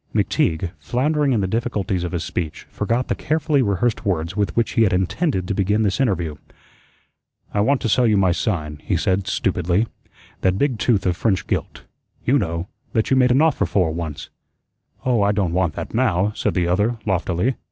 McTeague, floundering in the difficulties of his speech, forgot the carefully rehearsed words with which he had intended to begin this interview. "I want to sell you my sign," he said, stupidly. "That big tooth of French gilt YOU know that you made an offer for once." "Oh, I don't want that now," said the other loftily.